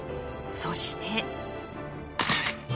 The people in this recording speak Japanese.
そして。